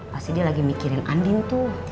pasti dia lagi mikirin andin tuh